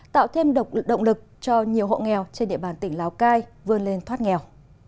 tạo thêm động lực cho nhiều hộ nghèo trên địa bàn tỉnh lào cai vươn lên thoát nghèo